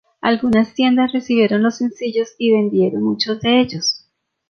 Algunas tiendas recibieron los sencillos y vendieron muchos de ellos.